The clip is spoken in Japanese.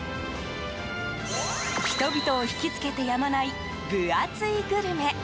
人々を引き付けてやまない分厚いグルメ。